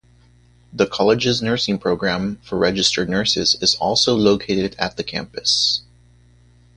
The college's nursing program for registered nurses is also located at the campus.